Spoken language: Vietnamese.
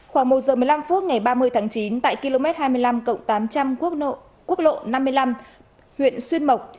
khoảng một giờ một mươi năm phút ngày ba mươi tháng chín tại km hai mươi năm tám trăm linh quốc lộ năm mươi năm huyện xuyên mộc